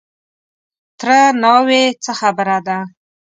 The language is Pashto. _تره ناوې! څه خبره ده؟